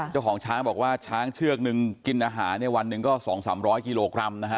เจ้าของช้างบอกว่าช้างเชือกนึงกินอาหารเนี่ยวันหนึ่งก็๒๓๐๐กิโลกรัมนะฮะ